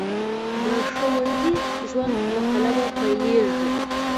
د ښوونځي ژوند له قلمه پیلیږي.